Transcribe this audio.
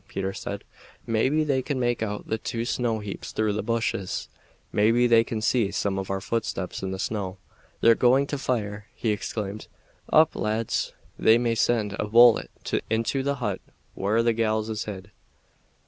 Peter said. "Maybe they can make out the two snow heaps through the bushes; maybe they can see some of our footsteps in the snow. They're going to fire!" he exclaimed. "Up, lads! They may send a bullet into the hut whar the gals is hid."